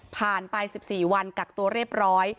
ไป๑๔วันกักตัวเรียบร้อย